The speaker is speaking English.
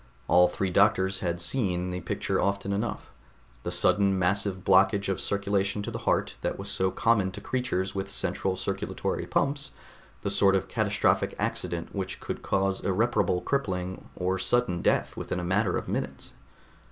All three doctors had seen the picture often enough the sudden, massive blockage of circulation to the heart that was so common to creatures with central circulatory pumps, the sort of catastrophic accident which could cause irreparable crippling or sudden death within a matter of minutes.